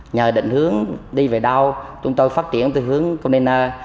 nhờ định hướng đi về đâu chúng tôi phát triển từ hướng combiner